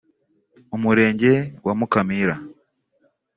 mu murenge wa Mukamira